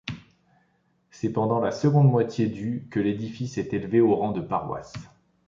C'est pendant la seconde moitié du que l'édifice est élevé au rang de paroisse.